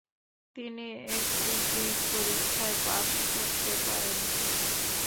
তিনি একটি গ্রিক পরীক্ষায় পাশ করতে পারেননি।